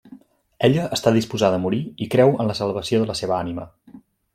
Ella està disposada a morir i creu en la salvació de la seua ànima.